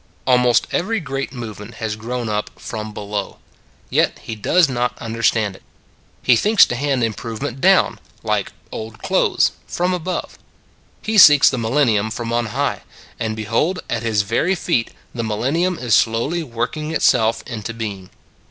Almost every great movement has grown up from below. Yet he does not understand it. He thinks to hand im provement down, like old clothes, from above. He seeks the millennium from on high : and behold, at his very feet, the millennium is slowly working itself into being.